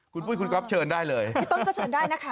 คุณปุ้ยคุณก๊อฟเชิญได้เลยพี่ต้นก็เชิญได้นะคะ